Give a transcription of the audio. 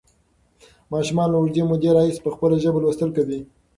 ماشومان له اوږدې مودې راهیسې په خپله ژبه لوستل کوي.